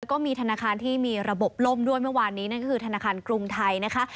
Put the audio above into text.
ก็มีธนาคารที่มีระบบล่มด้วยเมื่อวานนี้นั่นก็คือธนาคารกรุงไทยนะคะ